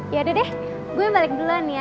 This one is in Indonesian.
yaudah deh gue balik dulu an ya